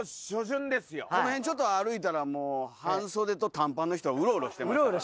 この辺ちょっと歩いたらもう半袖と短パンの人うろうろしてますから。